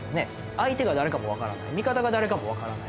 相手が誰かもわからない味方が誰かもわからない。